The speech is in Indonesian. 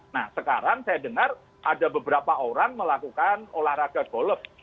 nah sekarang saya dengar ada beberapa orang melakukan olahraga golf